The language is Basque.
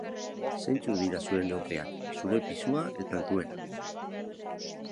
Zeintzuk dira zure neurriak, zure pisua eta zure altuera?